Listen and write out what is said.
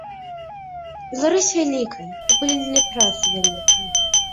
Беларусь вялікая, і поле для працы вялікае.